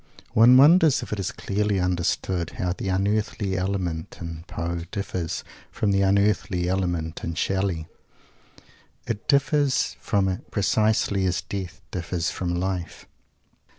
One wonders if it is clearly understood how the "unearthly" element in Poe differs from the "unearthly" element in Shelley. It differs from it precisely as Death differs from Life.